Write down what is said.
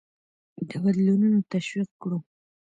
د بدلونونه تشویق کړو.